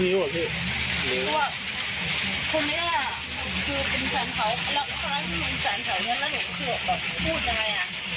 พูดอยู่ว่าเอ้ยอะไรคุณพูดอยู่ไหนเนี้ย